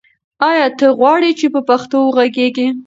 آیا ته غواړې چې په پښتو وغږېږې؟